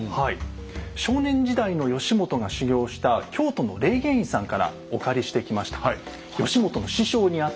少年時代の義元が修行した京都の霊源院さんからお借りしてきました。